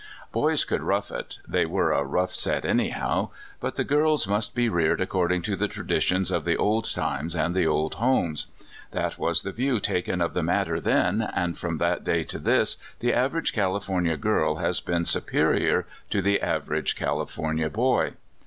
Boys could rough it — they were a rough set, anyhow — but the girls must be reared according to the traditions of the old times and the old homes. That was the view taken of the matter then, and from that day to this the average California girl has been superior to the average California boy.